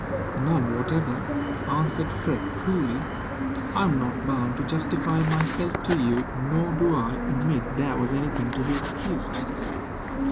"None whatever," answered Freke, coolly. "I am not bound to justify myself to you, nor do I admit there was anything to be excused."